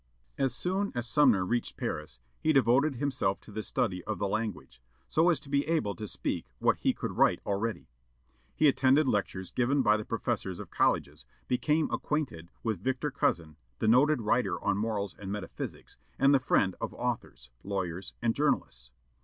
As soon as Sumner reached Paris he devoted himself to the study of the language, so as to be able to speak what he could write already. He attended lectures given by the professors of colleges, became acquainted with Victor Cousin, the noted writer on morals and metaphysics, and the friend of authors, lawyers, and journalists.